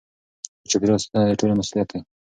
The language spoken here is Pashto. د چاپیریال ساتنه د ټولو مسؤلیت دی.